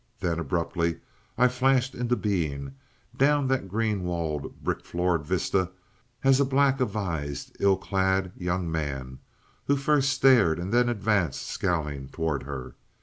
Then abruptly I flashed into being down that green walled, brick floored vista as a black avised, ill clad young man, who first stared and then advanced scowling toward her.